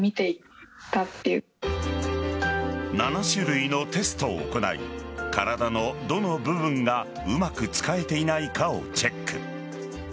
７種類のテストを行い体のどの部分がうまく使えていないかをチェック。